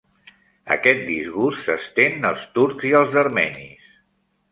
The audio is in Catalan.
Aquest disgust s'estén als turcs i als armenis.